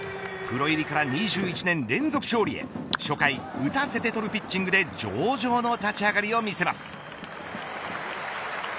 プロ入りから２１年連続勝利へ初回打たせて取るピッチングで上々の立ち上がりを見せます。